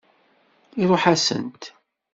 Iṛuḥ-asent.